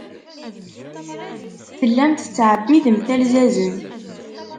Tellamt tettɛebbimt alzazen.